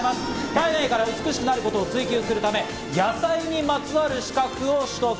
体内から美しくなることを追求するため野菜にまつわる資格を取得。